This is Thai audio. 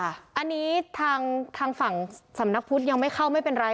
อันนี้ทางฝั่งสำนักพุทธยังไม่เข้าไม่เป็นไร